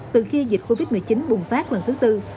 từ khi dịch covid một mươi chín bùng phát lần thứ tư